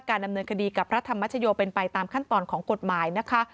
ดำเนินคดีกับพระธรรมชโยเป็นไปตามขั้นตอนของกฎหมายนะคะ